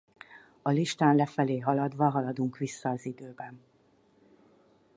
A listán lefelé haladva haladunk vissza az időben.